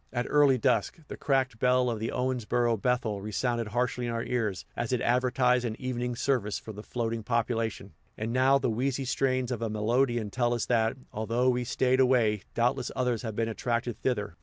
At early dusk, the cracked bell of the Owensboro Bethel resounded harshly in our ears, as it advertised an evening service for the floating population; and now the wheezy strains of a melodeon tell us that, although we stayed away, doubtless others have been attracted thither.